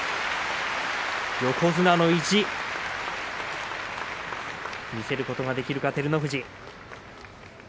横綱の意地見せることができるか照ノ富士。